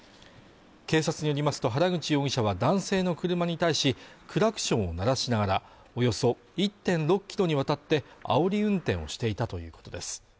警察によりますと原口容疑者は男性の車に対しクラクションを鳴らしながらおよそ１．６ｋｍにわたってあおり運転をしていたということです